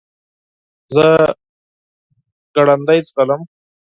زه ګړندی ځغلم .